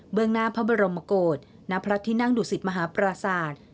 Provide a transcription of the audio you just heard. เบื้องหน้าพระบรมโกรธณพระทินางดูศิษย์มหาประสาท